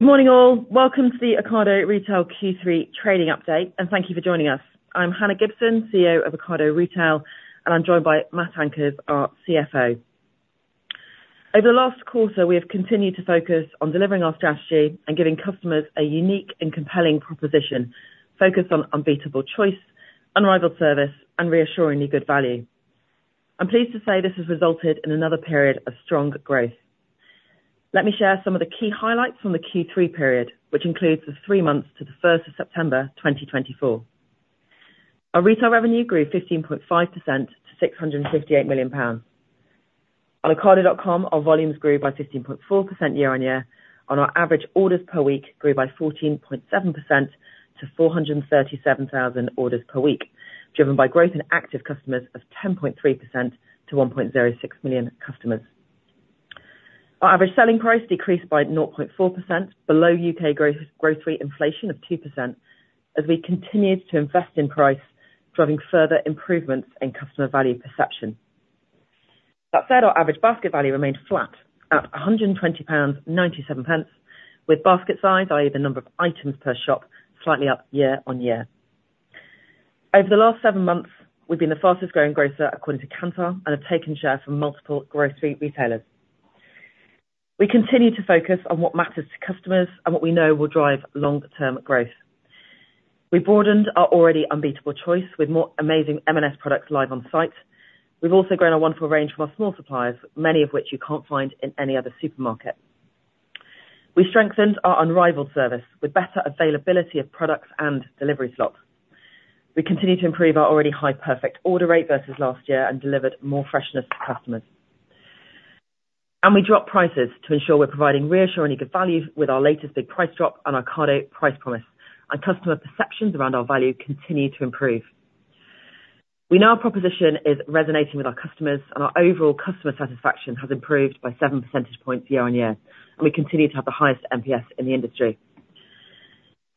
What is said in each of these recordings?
Good morning, all. Welcome to the Ocado Retail Q3 trading update, and thank you for joining us. I'm Hannah Gibson, CEO of Ocado Retail, and I'm joined by Matt Hankins, our CFO. Over the last quarter, we have continued to focus on delivering our strategy and giving customers a unique and compelling proposition, focused on unbeatable choice, unrivaled service, and Reassuringly Good Value. I'm pleased to say this has resulted in another period of strong growth. Let me share some of the key highlights from the Q3 period, which includes the three months to the first of September 2024. Our retail revenue grew 15.5% to 658 million pounds. On Ocado.com, our volumes grew by 15.4% year-on-year, and our average orders per week grew by 14.7% to 437,000 orders per week, driven by growth in active customers of 10.3% to 1.06 million customers. Our average selling price decreased by 0.4%, below U.K. grocery inflation of 2%, as we continued to invest in price, driving further improvements in customer value perception. That said, our average basket value remained flat at 120.97 pounds, with basket size, i.e., the number of items per shop, slightly up year-on-year. Over the last seven months, we've been the fastest growing grocer according to Kantar, and have taken share from multiple grocery retailers. We continue to focus on what matters to customers and what we know will drive long-term growth. We broadened our already unbeatable choice with more amazing M&S products live on site. We've also grown a wonderful range from our small suppliers, many of which you can't find in any other supermarket. We strengthened our unrivaled service with better availability of products and delivery slots. We continued to improve our already high perfect order rate versus last year and delivered more freshness to customers. And we dropped prices to ensure we're providing Reassuringly Good Value with our latest Big Price Drop and Ocado Price Promise, and customer perceptions around our value continue to improve. We know our proposition is resonating with our customers, and our overall customer satisfaction has improved by seven percentage points year on year, and we continue to have the highest NPS in the industry.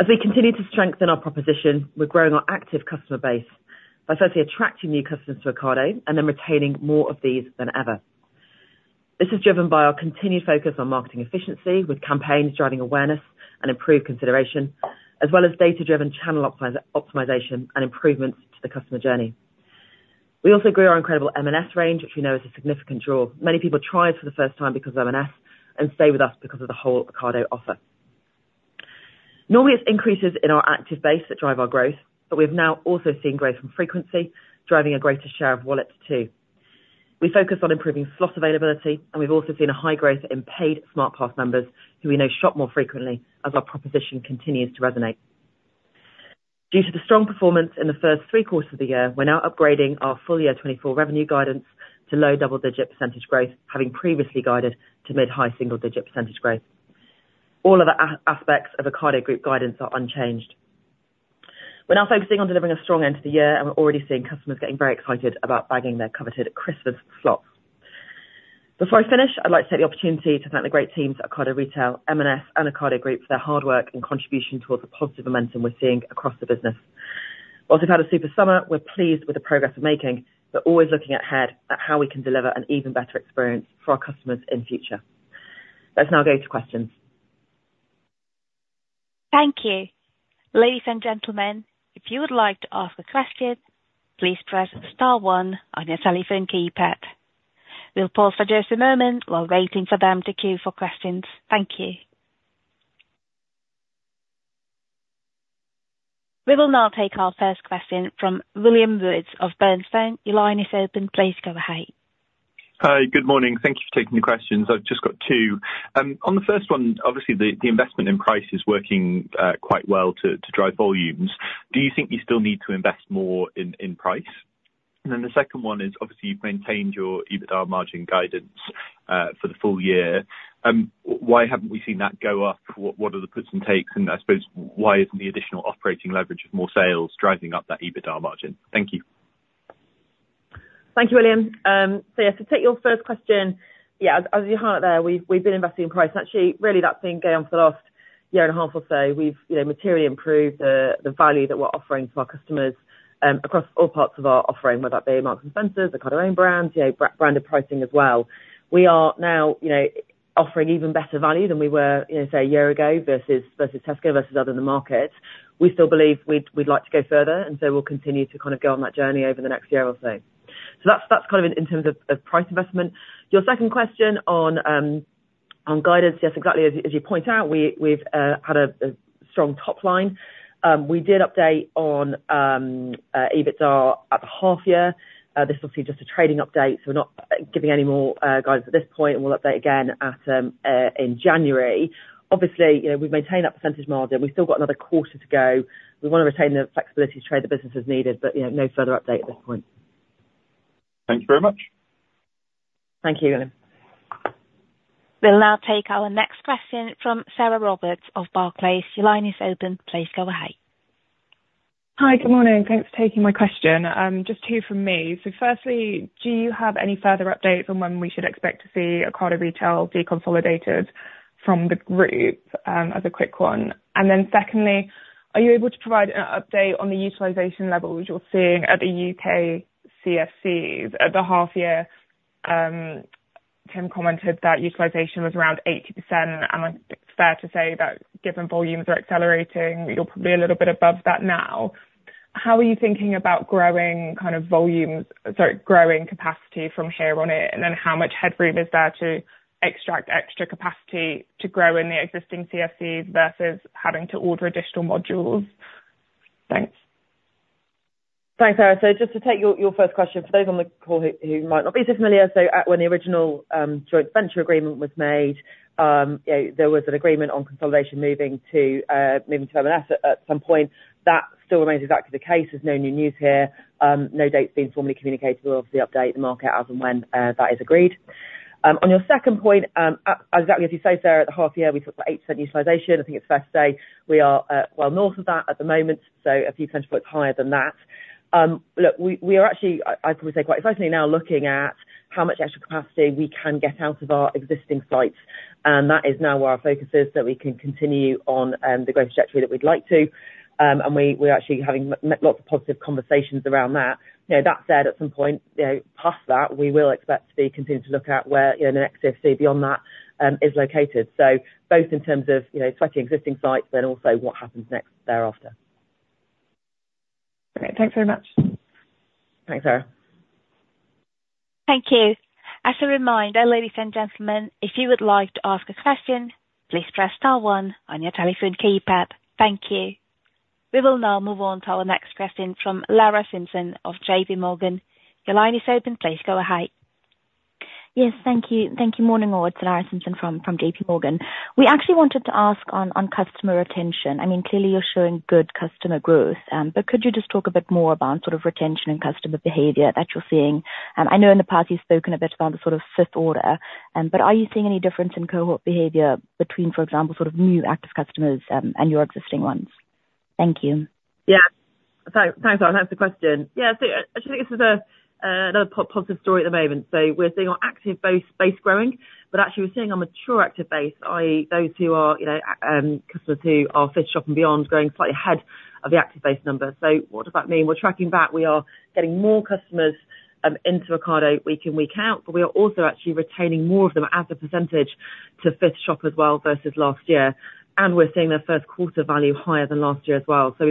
As we continue to strengthen our proposition, we're growing our active customer base by firstly attracting new customers to Ocado and then retaining more of these than ever. This is driven by our continued focus on marketing efficiency, with campaigns driving awareness and improved consideration, as well as data-driven channel optimization and improvements to the customer journey. We also grew our incredible M&S range, which we know is a significant draw. Many people try us for the first time because of M&S and stay with us because of the whole Ocado offer. Normally, it's increases in our active base that drive our growth, but we've now also seen growth from frequency, driving a greater share of wallet, too. We focused on improving slot availability, and we've also seen a high growth in paid Smart Pass members, who we know shop more frequently, as our proposition continues to resonate. Due to the strong performance in the first three quarters of the year, we're now upgrading our full year twenty-four revenue guidance to low double-digit percentage growth, having previously guided to mid-high single-digit % growth. All other aspects of Ocado Group guidance are unchanged. We're now focusing on delivering a strong end to the year, and we're already seeing customers getting very excited about bagging their coveted Christmas slots. Before I finish, I'd like to take the opportunity to thank the great teams at Ocado Retail, M&S, and Ocado Group for their hard work and contribution towards the positive momentum we're seeing across the business. While we've had a super summer, we're pleased with the progress we're making, but always looking ahead at how we can deliver an even better experience for our customers in future. Let's now go to questions. Thank you. Ladies and gentlemen, if you would like to ask a question, please press star one on your telephone keypad. We'll pause for just a moment while waiting for them to queue for questions. Thank you. We will now take our first question from William Woods of Bernstein. Your line is open. Please go ahead. Hi, good morning. Thank you for taking the questions. I've just got two. On the first one, obviously, the investment in price is working quite well to drive volumes. Do you think you still need to invest more in price? And then the second one is, obviously, you've maintained your EBITDA margin guidance for the full year. Why haven't we seen that go up? What are the puts and takes, and I suppose why isn't the additional operating leverage of more sales driving up that EBITDA margin? Thank you. Thank you, William. So yeah, to take your first question, yeah, as, as you highlight there, we've, we've been investing in price. Actually, really, that's been going on for the last year and a half or so. We've, you know, materially improved the, the value that we're offering to our customers, across all parts of our offering, whether that be Marks & Spencer, Ocado own brands, you know, branded pricing as well. We are now, you know, offering even better value than we were, you know, say, a year ago, versus, versus Tesco, versus other in the market. We still believe we'd, we'd like to go further, and so we'll continue to kind of go on that journey over the next year or so. So that's, that's kind of in terms of, of price investment. Your second question on guidance, yes, exactly as you, as you point out, we've had a strong top line. We did update on EBITDA at the half year. This is obviously just a trading update, so we're not giving any more guidance at this point, and we'll update again in January. Obviously, you know, we've maintained that percentage margin. We've still got another quarter to go. We want to retain the flexibility to trade the business as needed, but, you know, no further update at this point. Thank you very much. Thank you, William. We'll now take our next question from Sarah Roberts of Barclays. Your line is open. Please go ahead. Hi, good morning. Thanks for taking my question. Just two from me. So firstly, do you have any further update on when we should expect to see Ocado Retail deconsolidated from the group? As a quick one. And then secondly, are you able to provide an update on the utilization levels you're seeing at the UK CFCs at the half year? Tim commented that utilization was around 80%. It's fair to say that given volumes are accelerating, you're probably a little bit above that now. How are you thinking about growing kind of volumes, sorry, growing capacity from here on in? And then how much headroom is there to extract extra capacity to grow in the existing CFCs versus having to order additional modules? Thanks. Thanks, Sarah. So just to take your, your first question, for those on the call who, who might not be familiar. So at, when the original, joint venture agreement was made, you know, there was an agreement on consolidation moving to, moving to M&S at some point. That still remains exactly the case, there's no new news here, no date's been formally communicated, we'll obviously update the market as and when, that is agreed. On your second point, exactly as you say, Sarah, at the half year, we took about 80% utilization. I think it's fair to say we are, well north of that at the moment, so a few percentage points higher than that. Look, we are actually. I would say, quite excitedly now looking at how much extra capacity we can get out of our existing sites, and that is now where our focus is, so we can continue on the growth trajectory that we'd like to. And we're actually having lots of positive conversations around that. You know, that said, at some point, you know, past that, we will expect to be continuing to look at where, you know, the next CFC beyond that is located. So both in terms of, you know, existing sites and also what happens next thereafter. Great. Thanks very much. Thanks, Sarah. Thank you. As a reminder, ladies and gentlemen, if you would like to ask a question, please press star one on your telephone keypad. Thank you. We will now move on to our next question from Lara Simpson of J.P. Morgan. Your line is open, please go ahead. Yes, thank you. Thank you, morning all, it's Lara Simpson from J.P. Morgan. We actually wanted to ask on customer retention. I mean, clearly you're showing good customer growth, but could you just talk a bit more about sort of retention and customer behavior that you're seeing? I know in the past you've spoken a bit about the sort of fifth order, but are you seeing any difference in cohort behavior between, for example, sort of new active customers, and your existing ones? Thank you. Yeah. So thanks for the question. Yeah, so I think this is a another positive story at the moment. So we're seeing our active base growing, but actually we're seeing a mature active base, i.e., those who are, you know, customers who are fifth shop and beyond, growing slightly ahead of the active base number. So what does that mean? We're attracting back. We are getting more customers into Ocado week in, week out, but we are also actually retaining more of them as a percentage to fifth shop as well, versus last year. And we're seeing their first quarter value higher than last year as well. So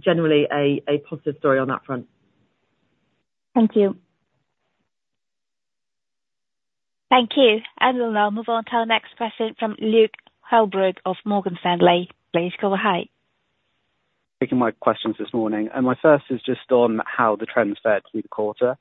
generally a positive story on that front. Thank you. Thank you. And we'll now move on to our next question from Luke Holbrook of Morgan Stanley. Please go ahead. Taking my questions this morning, and my first is just on how the trends fared through the quarter,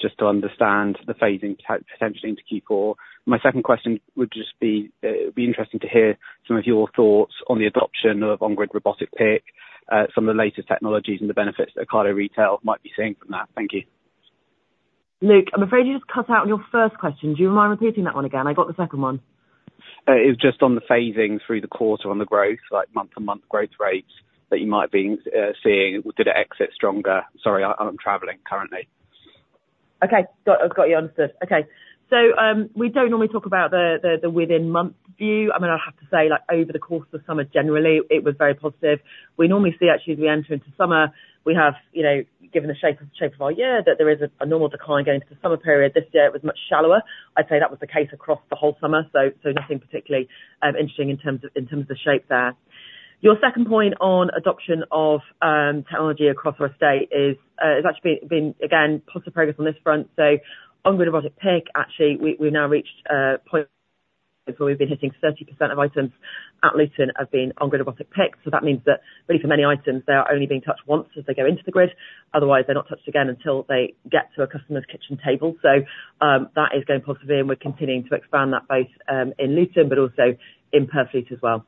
just to understand the phasing potentially into Q4. My second question would just be, it'd be interesting to hear some of your thoughts on the adoption of On-Grid Robotic Pick, some of the latest technologies and the benefits that Ocado Retail might be seeing from that. Thank you. Luke, I'm afraid you just cut out on your first question. Do you mind repeating that one again? I got the second one. It's just on the phasing through the quarter on the growth, like month-to-month growth rates that you might be seeing. Did it exit stronger? Sorry, I'm traveling currently. Okay. Got it. I've got you understood. Okay. So, we don't normally talk about the within month view. I mean, I'd have to say, like, over the course of the summer, generally, it was very positive. We normally see actually, as we enter into summer, we have, you know, given the shape of our year, that there is a normal decline going into the summer period. This year it was much shallower. I'd say that was the case across the whole summer, so nothing particularly interesting in terms of the shape there. Your second point on adoption of technology across our estate is has actually been, again, positive progress on this front. So On-Grid Robotic Pick, actually, we, we've now reached a point where we've been hitting 30% of items at Luton have been On-Grid Robotic Pick. So that means that really for many items, they are only being touched once as they go into the grid, otherwise, they're not touched again until they get to a customer's kitchen table. So, that is going positively and we're continuing to expand that base, in Luton, but also in Purfleet as well.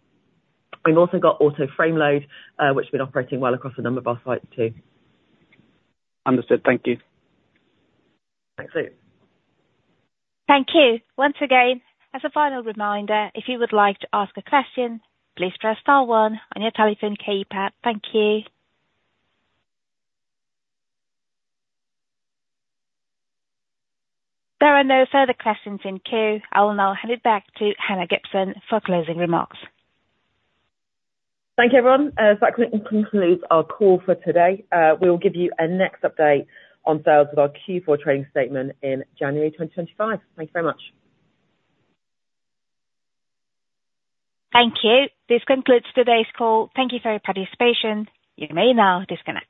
We've also got Auto Frame Load, which has been operating well across a number of our sites, too. Understood. Thank you. Thanks, Luke. Thank you. Once again, as a final reminder, if you would like to ask a question, please press star one on your telephone keypad. Thank you. There are no further questions in queue. I will now hand it back to Hannah Gibson for closing remarks. Thank you, everyone. So that concludes our call for today. We'll give you our next update on sales with our Q4 trading statement in January twenty twenty-five. Thank you very much. Thank you. This concludes today's call. Thank you for your participation. You may now disconnect.